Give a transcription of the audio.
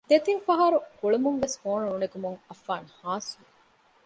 ދެތިން ފަހަރު ގުޅުމުންވެސް ފޯނު ނުނެގުމުން އައްފާން ހާސް ވި